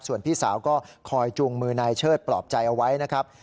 ส่วนพี่สาวก็คอยจูงมือนายเชิดปลอบใจเอาไว้นะครับ